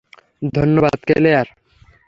ধন্যবাদ, ক্লেয়ার।